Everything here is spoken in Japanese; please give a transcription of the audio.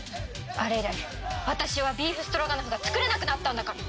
あれ以来私はビーフストロガノフが作れなくなったんだから！